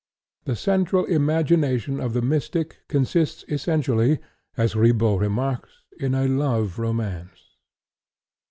The central imagination of the mystic consists essentially, as Ribot remarks, in a love romance.